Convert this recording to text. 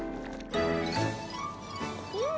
うん！